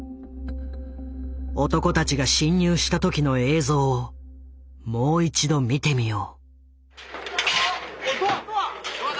男たちが侵入した時の映像をもう一度見てみよう。